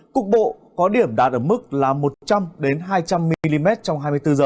cục bộ có điểm đạt ở mức là một trăm linh hai trăm linh mm trong hai mươi bốn h